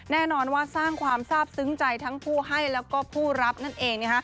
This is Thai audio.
แน่นอนว่าสร้างความทราบซึ้งใจทั้งผู้ให้แล้วก็ผู้รับนั่นเอง